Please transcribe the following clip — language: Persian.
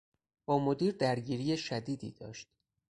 با مدیر درگیری شدیدی داشت.